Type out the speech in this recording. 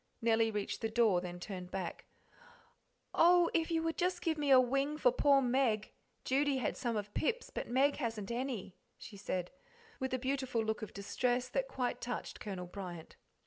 Nellie reached the door, then turned back. "Oh, if you would just give me a wing for poor Meg Judy had some of Pip's, but Meg hasn't any," she said, with a beautiful look of distress that quite touched Colonel Bryant.